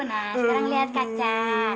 nah sekarang liat kaca